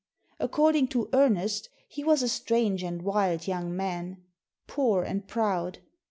According to Ernest, he was a strange and wild young man. Poor and proud.